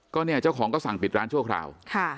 ก็เนี่ยเจ้าของก็สั่งปิดร้านชั่วคราว